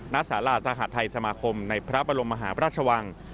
นักศาลาสหรัฐไทยสมาคมในพระบรมมหาพระราชวัง